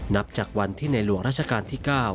นับจากวันที่ในหลวงราชการที่๙